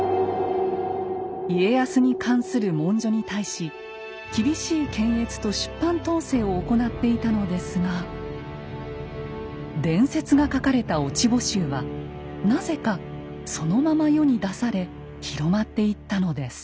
家康に関する文書に対し厳しい検閲と出版統制を行っていたのですが伝説が書かれた「落穂集」はなぜかそのまま世に出され広まっていったのです。